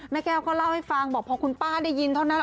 แก้วก็เล่าให้ฟังบอกพอคุณป้าได้ยินเท่านั้น